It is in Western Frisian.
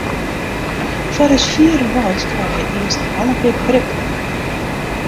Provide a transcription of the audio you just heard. Foar ús fiere reis krije wy earst noch al in pear prippen.